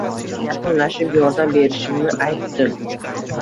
Sekin yaqinlashib, yordam berishimni aytdim